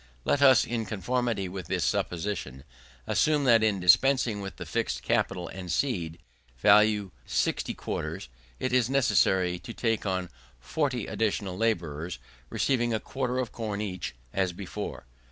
Let us, in conformity with this supposition, assume that in dispensing with the fixed capital and seed, value 60 quarters, it is necessary to take on 40 additional labourers, receiving a quarter of corn each, as before.